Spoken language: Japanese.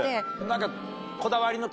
何か。